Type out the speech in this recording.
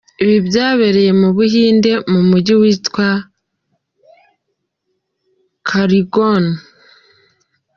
Ibi byabereye mu Buhinde mu mujyi witwa Khargone.